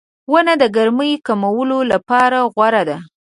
• ونه د ګرمۍ کمولو لپاره غوره ده.